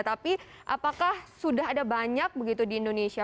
tapi apakah sudah ada banyak begitu di indonesia